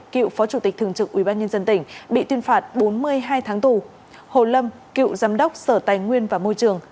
cựu phó chủ tịch thường trực ubnd tỉnh bị tuyên phạt bốn mươi hai tháng tù hồ lâm cựu giám đốc sở tài nguyên và môi trường